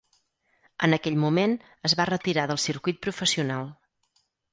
En aquell moment, es va retirar del circuit professional.